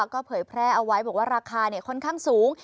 ก็เผยแพร่เอาไว้บอกว่าราคาค่อนข้างสูง